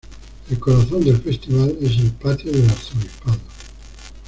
El corazón del Festival es el patio del Arzobispado.